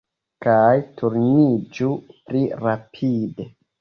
Kaj turniĝu pli rapide!